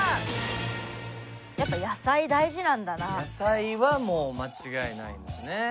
野菜はもう間違いないもんね。